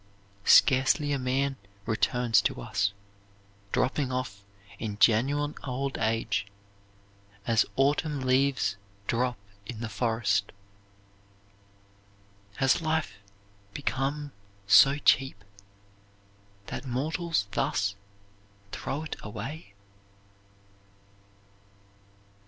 Scarcely a man returns to us dropping off in genuine old age, as autumn leaves drop in the forest. Has life become so cheap that mortals thus throw it away?